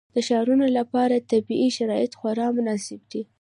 د ښارونو لپاره طبیعي شرایط خورا مناسب دي.